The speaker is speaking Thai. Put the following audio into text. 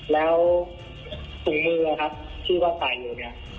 แล้วปุ๊กมือนะครับที่ว่าใกล้อยู่เนี่ย